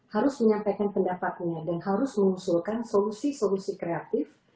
harus menyampaikan pendapatnya dan harus mengusulkan solusi solusi kreatif